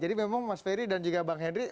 jadi memang mas ferry dan juga bang henry